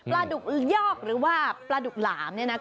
ปลาดุกยอกหรือว่าปลาดุกหลามเนี่ยนะ